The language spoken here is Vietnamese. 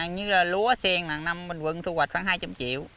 như lúa sen là một năm bình quân thu hoạch khoảng hai trăm linh triệu